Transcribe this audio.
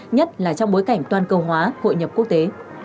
nhất là trong bối cảnh toàn cầu hóa hội nhập quốc tế